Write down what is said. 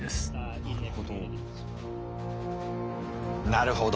なるほど。